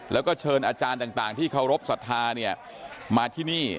แล้วก็เชิญอาจารย์ต่างที่เคารพสัทธาเนี่ยมาที่นี่